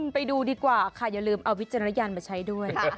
ไปดูดีกว่าค่ะอย่าลืมเอาวิจารณญาณมาใช้ด้วย